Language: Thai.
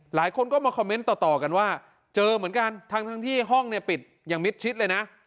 หลายคนก็มาคอมเมนต์ต่อกันว่าเจอเหมือนกันทั้งที่ห้องเนี่ยปิดอย่างมิดชิดเลยนะ